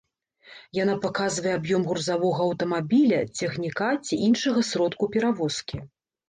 Яна паказвае аб'ём грузавога аўтамабіля, цягніка ці іншага сродку перавозкі.